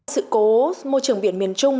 sự cố môi trường biển miền trung